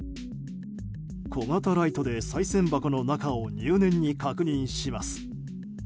小型ライトでさい銭箱の中を入念に確認します。